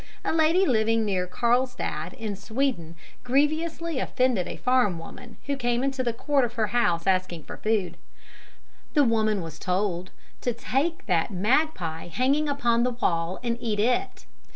A lady living near Carlstad, in Sweden, grievously offended a farm woman who came into the court of her house asking for food. The woman was told 'to take that magpie hanging upon the wall and eat it.'